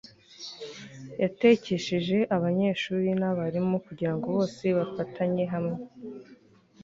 yatekesheje abanyeshuri nabarimu kugirango bose bafatanye hamwe